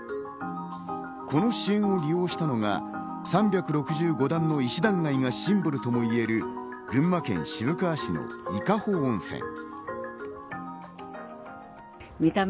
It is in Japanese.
この支援を利用したのが、３６５段の石段街がシンボルともいえる、群馬県渋川市の伊香保温泉。